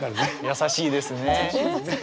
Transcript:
優しいですね。